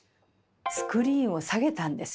スクリーンを下げたんです。